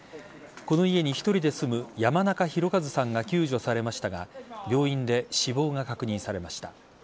この家に１人で住む山中宏一さんが救助されましたが病院で死亡が確認されました。